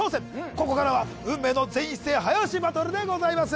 ここからは運命の全員一斉早押しバトルでございます